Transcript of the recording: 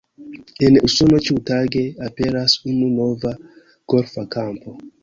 En Usono ĉiutage aperas unu nova golfa kampo.